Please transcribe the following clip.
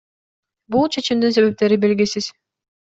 Бул чечимдин себептери белгисиз.